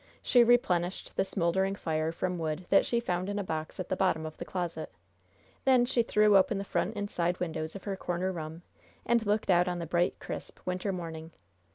She replenished the smoldering fire from wood that she found in a box at the bottom of the closet. Then she threw open the front and side windows of her corner room, and looked out on the bright, crisp, winter morning.